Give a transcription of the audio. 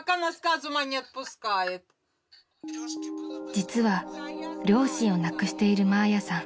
［実は両親を亡くしているマーヤさん］